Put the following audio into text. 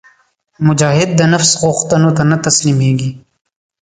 مجاهد د نفس غوښتنو ته نه تسلیمیږي.